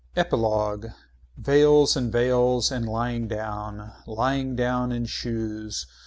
EPILOGUE Veils and veils and lying down. Lying down in shoes.